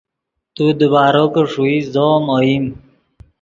تو کہ دیبارو ݰوئیت زو ام اوئیم